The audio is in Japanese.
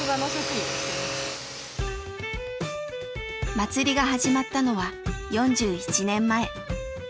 祭りが始まったのは４１年前。